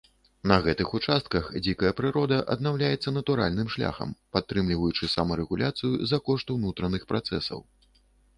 На гэтых участках дзікая прырода аднаўляецца натуральным шляхам, падтрымліваючы самарэгуляцыю за кошт унутраных працэсаў.